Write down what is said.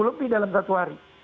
lebih dalam satu hari